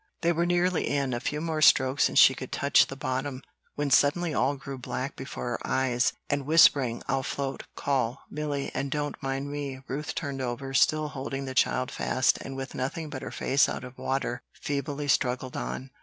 They were nearly in, a few more strokes and she could touch the bottom, when suddenly all grew black before her eyes, and whispering, "I'll float. Call, Milly, and don't mind me," Ruth turned over, still holding the child fast, and with nothing but her face out of water, feebly struggled on.